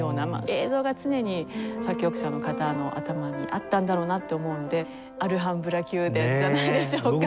映像が常に作曲者の方の頭にあったんだろうなって思うのでアルハンブラ宮殿じゃないでしょうか。